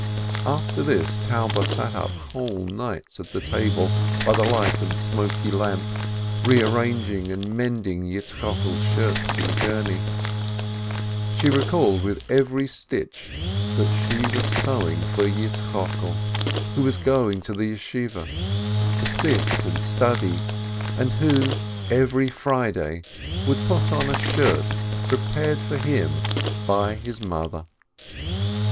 After this Taube sat up whole nights at the table, by the light of the smoky lamp, rearranging and mending Yitzchokel's shirts for the journey; she recalled with every stitch that she was sewing for Yitzchokel, who was going to the Academy, to sit and study, and who, every Friday, would put on a shirt prepared for him by his mother.